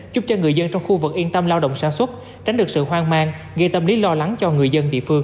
giúp cho người dân trong khu vực yên tâm lao động sản xuất tránh được sự hoang mang gây tâm lý lo lắng cho người dân địa phương